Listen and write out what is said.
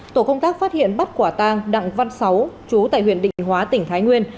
tổ công tác phát hiện bắt quả tang đặng văn sáu chú tại huyện định hóa tỉnh thái nguyên